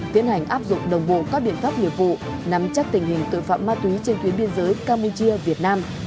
tiến hành áp dụng đồng bộ các biện pháp nghiệp vụ nắm chắc tình hình tội phạm ma túy trên tuyến biên giới campuchia việt nam